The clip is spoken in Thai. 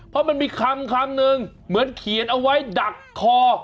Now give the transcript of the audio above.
เพราะมันมีคำคำนึงเหมือนเขียนเอาไว้ดักคอ